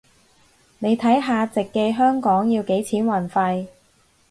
你睇下直寄香港要幾錢運費